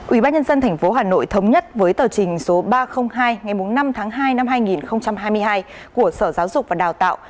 ủy ban nhân dân tp hà nội thống nhất với tờ trình số ba trăm linh hai ngày năm tháng hai năm hai nghìn hai mươi hai của sở giáo dục và đào tạo